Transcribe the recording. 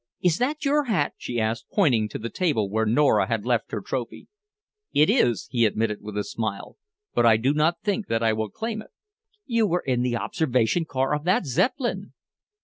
"Is that your hat?" she asked, pointing to the table where Nora had left her trophy. "It is," he admitted with a smile, "but I do not think that I will claim it." "You were in the observation car of that Zeppelin!"